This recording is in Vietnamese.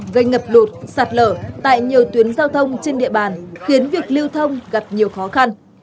gây ngập lụt sạt lở tại nhiều tuyến giao thông trên địa bàn khiến việc lưu thông gặp nhiều khó khăn